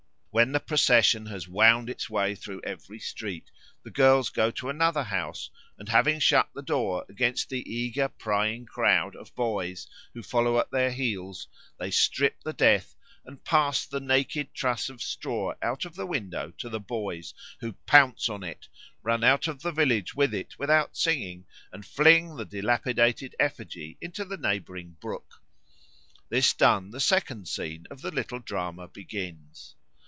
When the procession has wound its way through every street, the girls go to another house, and having shut the door against the eager prying crowd of boys who follow at their heels, they strip the Death and pass the naked truss of straw out of the window to the boys, who pounce on it, run out of the village with it without singing, and fling the dilapidated effigy into the neighbouring brook. This done, the second scene of the little drama begins.